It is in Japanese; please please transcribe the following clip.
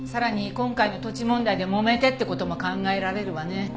今回の土地問題でもめてって事も考えられるわね。